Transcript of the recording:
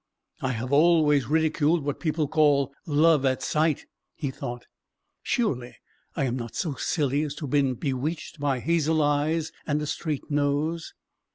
"I have always ridiculed what people call 'love at sight,'" he thought; "surely I am not so silly as to have been bewitched by hazel eyes and a straight nose.